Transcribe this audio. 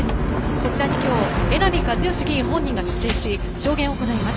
こちらに今日江波和義議員本人が出廷し証言を行います。